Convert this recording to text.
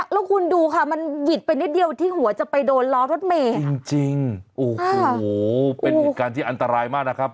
แล้วคุณดูค่ะมันหวิดไปนิดเดียวที่หัวจะไปโดนล้อรถเมย์จริงโอ้โหเป็นเหตุการณ์ที่อันตรายมากนะครับ